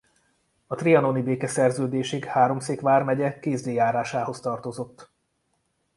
A trianoni békeszerződésig Háromszék vármegye Kézdi járásához tartozott.